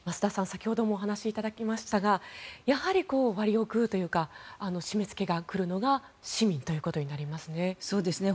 先ほどもお話いただきましたがやはり割を食うというか締めつけが来るのが市民ということになりますね。